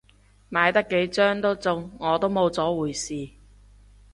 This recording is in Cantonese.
買得幾張都中，我都冇咗回事